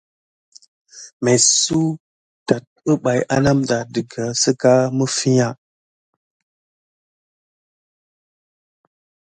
Mesuwa tät kuɓaï aname ɗa daka sika mifiya.